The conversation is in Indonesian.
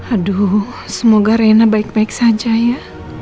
aduh semoga raina baik baik saja ya